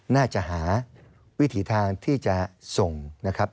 น่าจะหาวิถีทางที่จะส่งนะครับ